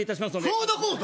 フードコート？